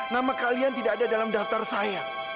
nama kalian tidak ada dalam daftar saya